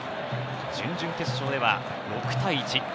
準々決勝では６対１。